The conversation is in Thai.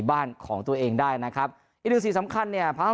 บ้านของตัวเองได้นะครับอีกหนึ่งสิ่งสำคัญเนี่ยพระ